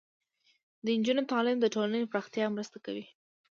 د نجونو تعلیم د ټولنې پراختیا مرسته کوي.